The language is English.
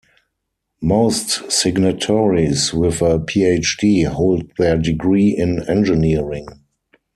Most signatories with a PhD hold their degree in engineering.